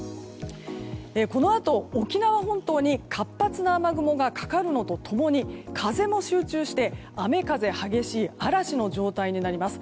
このあと沖縄本島に活発な雨雲がかかるのと共に、風も集中して雨風激しい嵐の状態になります。